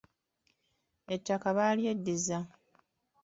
Ettaka baalyeddizza.